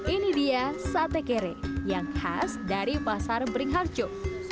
ini dia sate kere yang khas dari pasar beringharjo